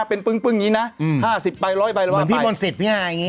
เป็นปึ้งปึ้งอย่างงี้น่ะอืมห้าสิบไปร้อยไปแล้วมาไปเหมือนพี่บนสิบพี่หายอย่างงี้